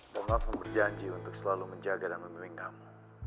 dan mas akan berjanji untuk selalu menjaga dan memiliki kamu